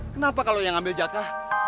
kenapa kalau yang ambil jatah